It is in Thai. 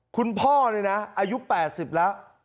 คุณพ่อนี่นะอายุ๘๐แล้ว